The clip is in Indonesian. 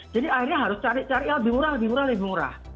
jadi akhirnya harus cari cari lebih murah lebih murah lebih murah